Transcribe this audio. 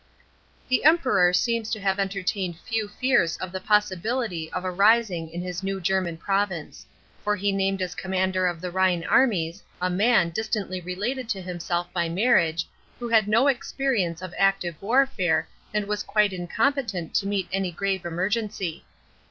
§ 10. The Emperor seems to have entertained few fears of the possibility of a rising in his new German province. For he named as commander of the Rhine armies a man, distantly related to him self by marriage, who had no experience of active warfare and was quite incompetent to meet any grave emergency.